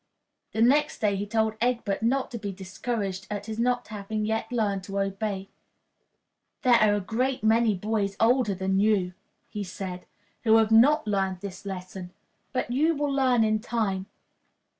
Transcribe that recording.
The next day he told Egbert not to be discouraged at his not having yet learned to obey. "There are a great many boys older than you," he said, "who have not learned this lesson; but you will learn in time.